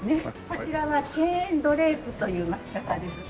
こちらはチェーンドレープという巻き方です。